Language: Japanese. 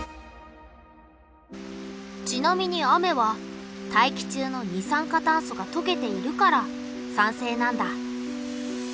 ちなみに雨は大気中の二酸化炭素がとけているから酸性なんだ。